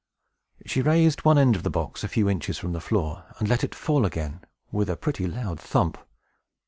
She raised one end of the box a few inches from the floor, and let it fall again, with a pretty loud thump.